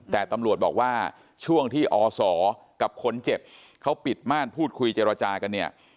แต่ตำรวจบอกว่าช่วงที่อศกับคนเจ็บเขาปิดม่านพูดคุยเจรจากันเนี่ย